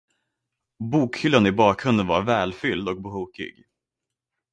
Bokhyllan i bakgrunden var välfylld och brokig.